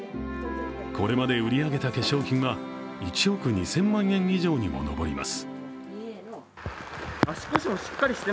これまで売り上げた化粧品は１億２０００万円以上にも上ります。